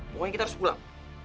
pokoknya kita harus pulang